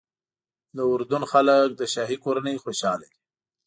د اردن خلک له شاهي کورنۍ خوشاله دي.